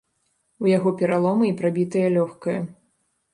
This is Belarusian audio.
У яго пераломы і прабітае лёгкае.